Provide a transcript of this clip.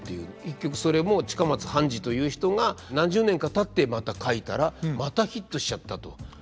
結局それも近松半二という人が何十年かたってまた書いたらまたヒットしちゃったと。